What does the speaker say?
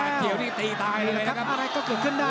ปากเขียวนี่ตีตายเลยนะครับอ่าาอะไรก็คืนขึ้นได้